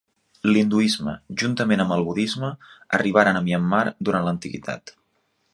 L'hinduisme juntament amb el budisme, arribaren a Myanmar durant l'antiguitat.